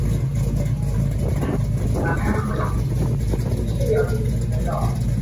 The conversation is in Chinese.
奥西良博阿镇是葡萄牙布拉干萨区的一个堂区。